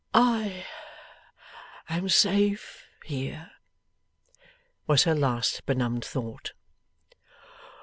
'I am safe here,' was her last benumbed thought.